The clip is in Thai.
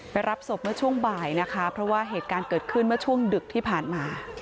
รับศพเมื่อช่วงบ่ายนะคะเพราะว่าเหตุการณ์เกิดขึ้นเมื่อช่วงดึกที่ผ่านมา